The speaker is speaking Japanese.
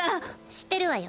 知ってるわよ。